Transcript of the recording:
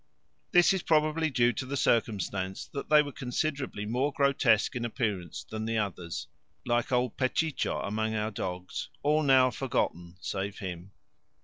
This is probably due to the circumstance that they were considerably more grotesque in appearance than the others, like old Pechicho among our dogs all now forgotten save him.